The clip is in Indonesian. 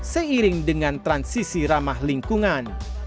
seiring dengan transisi ramah lingkungan